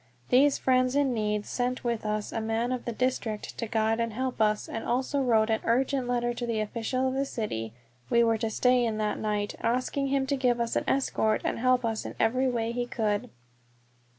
These friends in need sent with us a man of the district to guide and help us, and also wrote an urgent letter to the official of the city we were to stay in that night, asking him to give us an escort and help us in every way he could.